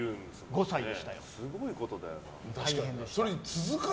５歳でしたね。